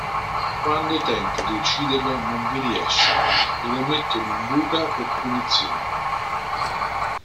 Quando tenta di ucciderlo non vi riesce e lo mettono in buca per punizione.